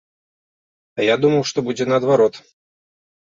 А я думаў, што будзе наадварот.